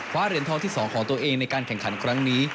เหรียญทองที่๒ของตัวเองในการแข่งขันครั้งนี้